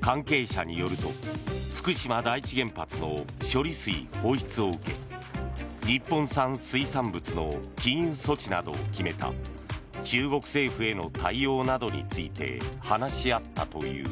関係者によると福島第一原発の処理水放出を受け日本産水産物の禁輸措置などを決めた中国政府への対応などについて話し合ったという。